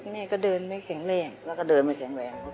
แม่ก็เดินไม่แข็งแรงแล้วก็เดินไม่แข็งแรง